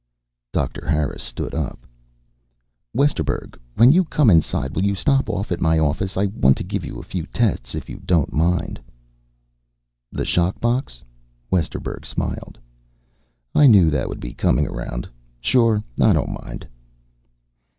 Doctor Harris stood up. "Westerburg, when you come inside, will you stop off at my office? I want to give you a few tests, if you don't mind." "The shock box?" Westerburg smiled. "I knew that would be coming around. Sure, I don't mind."